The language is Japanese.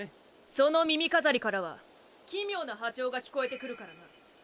その耳飾りからは奇妙な波長が聞こえてくるからな。